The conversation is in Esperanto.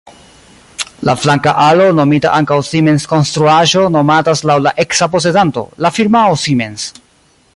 La flanka alo, nomita ankaŭ Siemens-konstruaĵo, nomatas laŭ la eksa posedanto, la firmao Siemens.